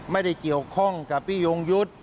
ไม่ได้เกี่ยวข้องกับพี่ยงยุทธ์